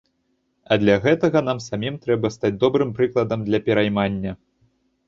А для гэтага нам самім трэба стаць добрым прыкладам для пераймання.